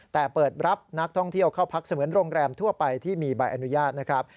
แต่เปิดรับนักท่องเที่ยวเข้าพักเสมือนโรงแรมทั่วไปที่มีใบอนุญาตนะครับ